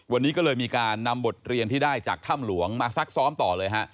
วันนี้ก็เลยมีการนำบทเรียนที่ได้จากถ้ำหลวงมาซักซ้อมต่อเลยฮะ